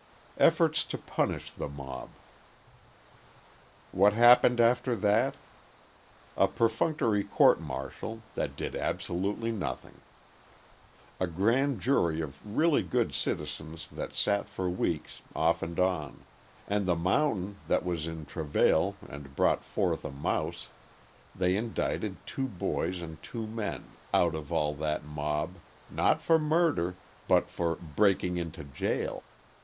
Efforts to Punish the Mob What happened after that? A perfunctory court martial, that did absolutely nothing. A grand jury of really good citizens that sat for weeks, off and on; and like the mountain that was in travail and brought forth a mouse, they indicted two boys and two men out of all that mob, not for murder, but for "breaking into jail."